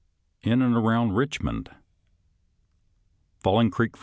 IN AND ABOUND EIOHMOND Falling Ceeek, Va.